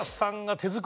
手作り。